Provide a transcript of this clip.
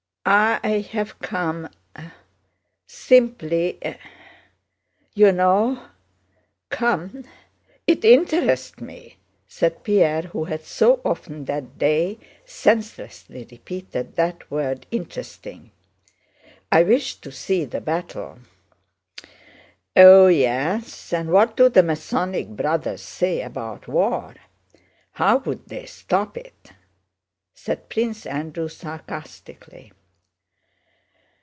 "I have come... simply... you know... come... it interests me," said Pierre, who had so often that day senselessly repeated that word "interesting." "I wish to see the battle." "Oh yes, and what do the Masonic brothers say about war? How would they stop it?" said Prince Andrew sarcastically.